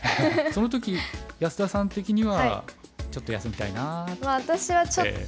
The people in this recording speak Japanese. その時安田さん的にはちょっと休みたいなあって。